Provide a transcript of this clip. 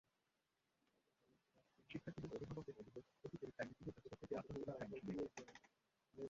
শিক্ষার্থীদের অভিভাবকদের অভিযোগ, ভর্তি পরীক্ষায় মুক্তিযোদ্ধা কোটা থেকে আটজন পরীক্ষায় অংশ নিয়েছিল।